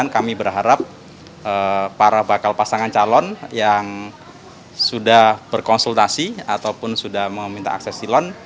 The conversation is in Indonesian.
kami berharap para bakal pasangan calon yang sudah berkonsultasi ataupun sudah meminta akses silon